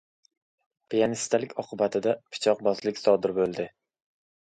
Piyonistalik oqibatida pichoqbozlik sodir bo‘ldi